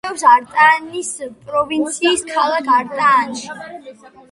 მდებარეობს არტაანის პროვინციის ქალაქ არტაანში.